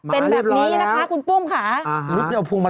เป็นแบบนี้นะคะคุณปุ้มค่ะ